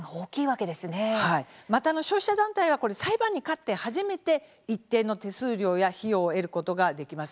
また消費者団体は裁判に勝って初めて一定の手数料や費用を得ることができます。